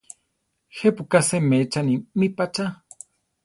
¿Je pu ka seméchane mí pa chá?